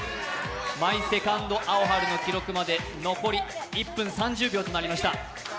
「マイ・セカンド・アオハル」の記録まで残り１分３０秒となりました。